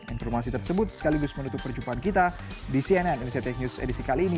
informasi tersebut sekaligus menutup perjumpaan kita di cnn indonesia tech news edisi kali ini